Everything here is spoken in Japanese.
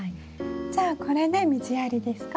じゃあこれで水やりですか？